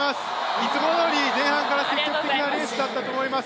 いつもどおり前半から攻めたレースだったと思います。